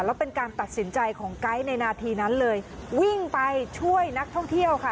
แล้วเป็นการตัดสินใจของไก๊ในนาทีนั้นเลยวิ่งไปช่วยนักท่องเที่ยวค่ะ